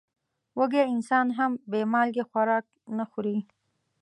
وږی انسان هم بې مالګې خوراک نه خوري.